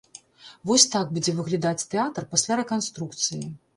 Вось так будзе выглядаць тэатр пасля рэканструкцыі.